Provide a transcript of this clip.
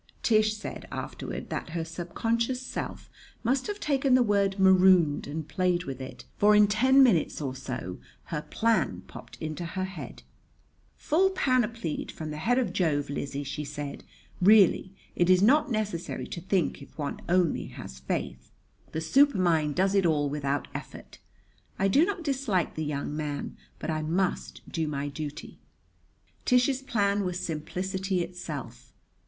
Tish said afterward that her subconscious self must have taken the word "marooned" and played with it; for in ten minutes or so her plan popped into her head. "'Full panoplied from the head of Jove,' Lizzie," she said. "Really, it is not necessary to think if one only has faith. The supermind does it all without effort. I do not dislike the young man; but I must do my duty." Tish's plan was simplicity itself.